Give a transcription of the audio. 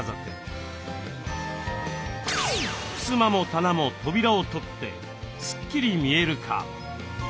ふすまも棚も扉を取ってスッキリ見える化。